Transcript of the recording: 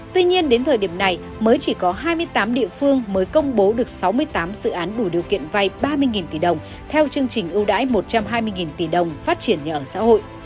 tuy nhiên đến thời điểm này mới chỉ có hai mươi tám địa phương mới công bố được sáu mươi tám dự án đủ điều kiện vay ba mươi tỷ đồng theo chương trình ưu đãi một trăm hai mươi tỷ đồng phát triển nhà ở xã hội